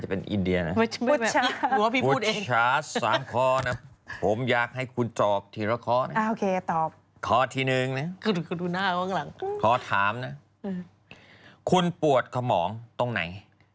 เคอเป็นปวดหัวด้วยแปลงมากเลย